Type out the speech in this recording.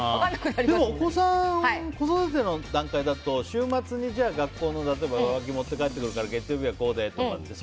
でもお子さん子育ての段階だと週末に学校の例えば上履き持って帰ってきたら月曜日はこうでとか。